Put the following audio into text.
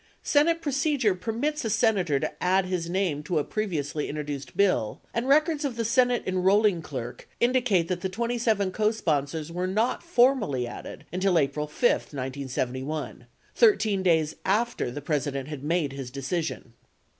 Senate procedure permits a Senator to add his name to a previ ously introduced bill, 42 and records of the Senate enrolling clerk indicate that the 27 cosponsors were not formally added until April 5, 1971, 13 days after the President had made his decision.